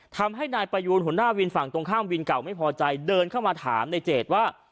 ทำให้นายประยูนหัวหน้าวินฝั่งตรงข้ามวินเก่าไม่พอใจเดินเข้ามาถามในเจดว่า